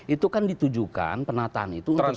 itu kan ditujukan penataan itu untuk